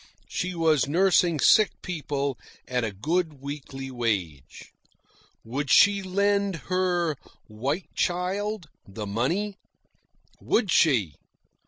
She was nursing sick people at a good weekly wage. Would she lend her "white child" the money? WOULD SHE?